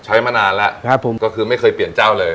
ใช้มานานแล้วก็คือไม่เคยเปลี่ยนเจ้าเลย